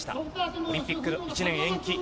オリンピック１年延期。